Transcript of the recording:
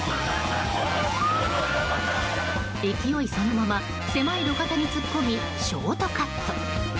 勢いそのまま狭い路肩に突っ込み、ショートカット。